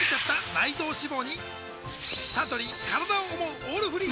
サントリー「からだを想うオールフリー」